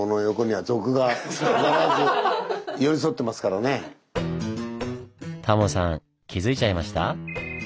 まあねタモさん気付いちゃいました？